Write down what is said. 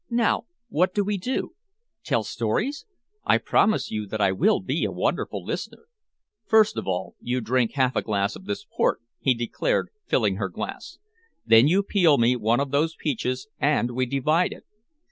Now what do we do? Tell stories? I promise you that I will be a wonderful listener." "First of all you drink half a glass of this port," he declared, filling her glass, "then you peel me one of those peaches, and we divide it.